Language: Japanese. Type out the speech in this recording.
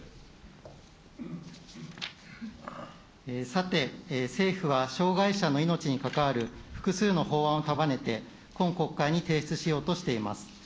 さて、政府は、障害者の命に関わる複数の法案を束ねて、今国会に提出しようとしています。